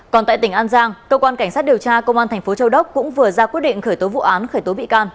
còn tại tỉnh an giang cơ quan cảnh sát điều tra công an thành phố châu đốc cũng vừa ra quyết định khởi tố vụ án khởi tố bị can